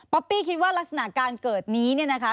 ปี้คิดว่ารักษณะการเกิดนี้เนี่ยนะคะ